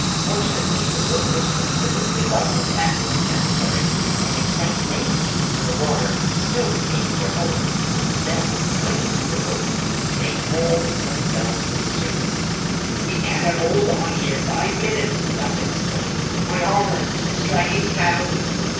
Fortunately the rope was considerably longer than was necessary, and they sank many feet into the water, still retaining their hold. Then clinging to the rope they hauled themselves to the surface. "We cannot hold on here five minutes," Ralph exclaimed, "my armour is dragging me down."